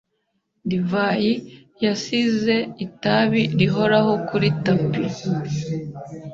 Divayi yasize itabi rihoraho kuri tapi.